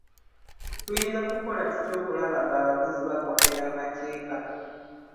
Tuyinza kukola tutya okulaba ng'abavuzi bagondera amateeka?